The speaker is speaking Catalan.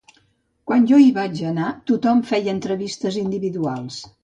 Quan jo hi vaig anar tothom feia entrevistes individuals.